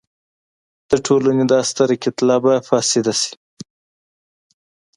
د ټولنې دا ستره کتله به فاسده شي.